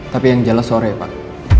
tapi yang jelas sore pak